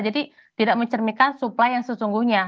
jadi tidak mencerminkan supply yang sesungguhnya